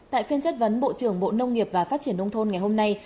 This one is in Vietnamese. tại phiên chất vấn bộ trưởng bộ nông nghiệp và phát triển nông thôn ngày hôm nay